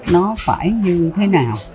nó phải như thế nào